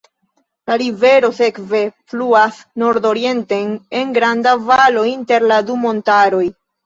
La rivero sekve fluas nordorienten, en granda valo inter la du montaroj.